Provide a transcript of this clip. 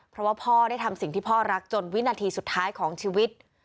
เพราะว่าพ่อได้ทำสิ่งที่พ่อรักจนวินาทีสุดท้ายของชีวิต